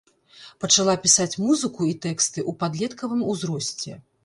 Пачала пісаць музыку і тэксты ў падлеткавым узросце.